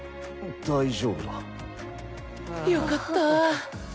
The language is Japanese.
大丈夫だ。よかった。